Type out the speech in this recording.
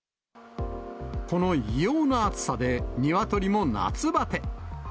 この異様な暑さで、ニワトリも夏ばて。